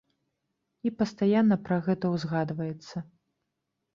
І пастаянна пра гэта ўзгадваецца.